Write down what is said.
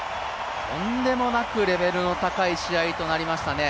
とんでもなくレベルの高い試合となりましたね。